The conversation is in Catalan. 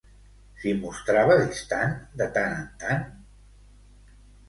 S'hi mostrava distant, de tant en tant?